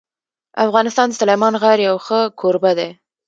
افغانستان د سلیمان غر یو ښه کوربه دی.